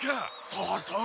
そうそう。